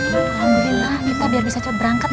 alhamdulillah kita biar bisa cepat berangkat ya